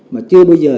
mà chưa bây giờ